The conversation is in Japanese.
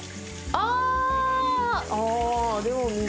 ああ。